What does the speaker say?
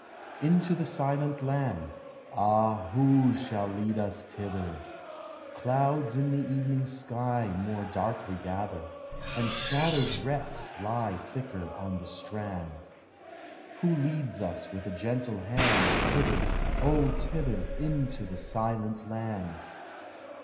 Into the Silent Land ! Ah, who shall lead us thither? Clouds in the evening sky more darkly gather, And shattered wrecks lie thicker on the strand. Who leads us with a gentle hand Thither, oh, thither, Into the Silent Land?